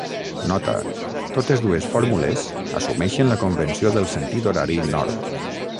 "Nota: totes dues fórmules assumeixen la convenció del sentit horari nord.